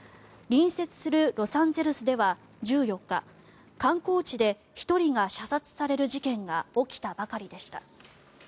隣接するロサンゼルスでは１４日観光地で１人が射殺される事件が起きたばかりでした。